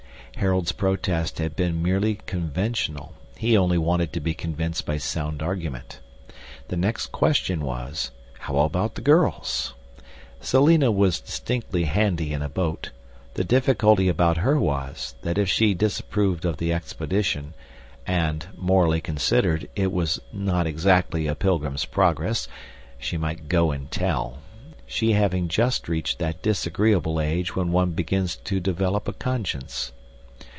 Harold's protest had been merely conventional: he only wanted to be convinced by sound argument. The next question was, How about the girls? Selina was distinctly handy in a boat: the difficulty about her was, that if she disapproved of the expedition and, morally considered, it was not exactly a Pilgrim's Progress she might go and tell; she having just reached that disagreeable age when one begins to develop a conscience.